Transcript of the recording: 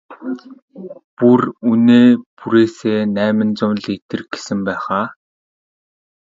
Бүр үнээ бүрээсээ найман зуун литр гэсэн байх аа?